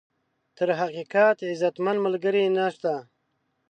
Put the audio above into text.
تر حقیقت، عزتمن ملګری نشته.